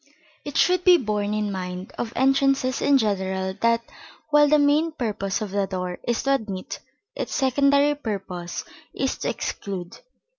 It should be borne in mind of entrances in general that, while the main purpose of a door is to admit, its secondary purpose is to exclude.